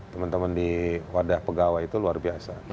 teman teman di wadah pegawai itu luar biasa